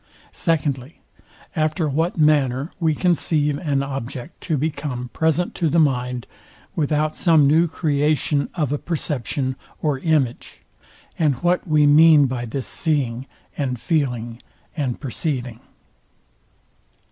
Secondly, After what manner we conceive an object to become present to the mind, without some new creation of a perception or image; and what we mean by this seeing, and feeling, and perceiving.